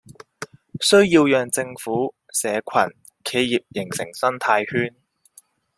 需要讓政府、社群、企業形成生態圈